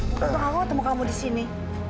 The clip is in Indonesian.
kenapa ketemu kamu disini